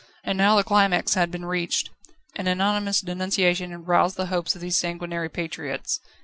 And now the climax had been reached. An anonymous denunciation had roused the hopes of these sanguinary patriots.